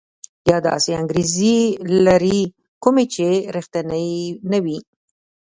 یا داسې انګېزې لري کومې چې ريښتيني نه وي.